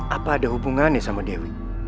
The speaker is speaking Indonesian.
apa ada hubungannya sama dewi